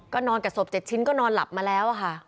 นอนกับศพ๗ชิ้นก็นอนหลับมาแล้วค่ะ